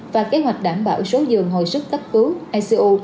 và kế hoạch đảm bảo số dường hồi sức cấp cứu icu